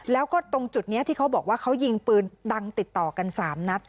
แล้วก็ตรงจุดนี้ที่เขาบอกว่าเขายิงปืนดังติดต่อกัน๓นัด